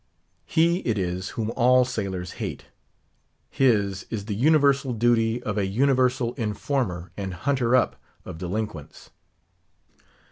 He it is whom all sailors hate. His is the universal duty of a universal informer and hunter up of delinquents.